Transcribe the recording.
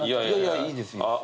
いいです。